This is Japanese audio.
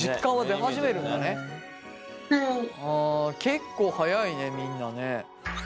結構早いねみんなね。